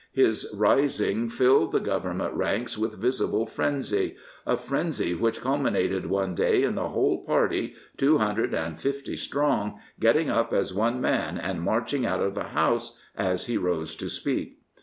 His rising filled the Government ranks with visible frenzy — a frenzy which culminated one day in the whole party, two hundred and fifty strong, getting up as one man and marching out of the House as he rose to speak.